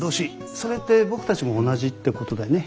それって僕たちも同じってことだよね。